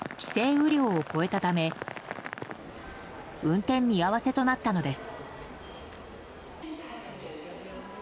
雨量を超えたため運転見合わせとなったのです。